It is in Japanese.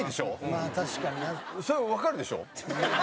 まあ確かにな。それわかるでしょ？